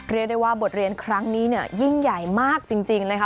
เรียกได้ว่าบทเรียนครั้งนี้เนี่ยยิ่งใหญ่มากจริงนะคะ